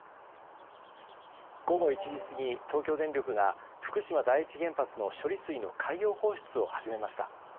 午後１時過ぎ東京電力が福島第一原発の処理水の海洋放出を始めました。